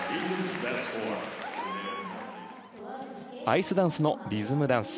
アイスダンスのリズムダンス。